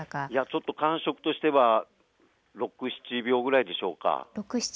ちょっと感触としては６、７秒ぐらいでしょうか。